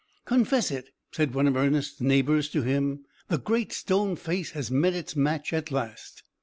"Confess it," said one of Ernest's neighbours to him, "the Great Stone Face has met its match at last!"